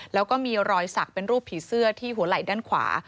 แล้วก็มีรอยสักเป็นรูปผีเสื้อที่หัวไหล่ด้านขวา